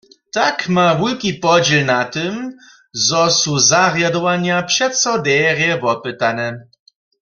Tak ma wulki podźěl na tym, zo su zarjadowanja přeco derje wopytane.